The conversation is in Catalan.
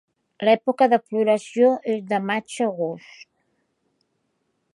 L'època de floració és de maig a agost.